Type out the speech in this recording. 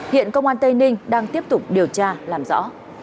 hiện công an tây ninh đang tiếp tục điều tra làm rõ